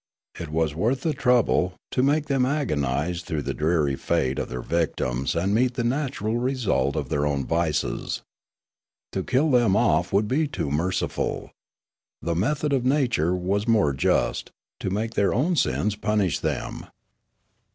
It was worth the trouble, to make them agonise through the dreary fate of their victims and meet the natural result of their own vices. To kill them off would be too merciful. The method of nature was more just, to make their own sins punish them.